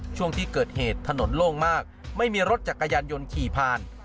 ช่วงที่เกิดเหตุถนนโล่งมากไม่มีรถจักรยานยนต์ขี่ผ่าน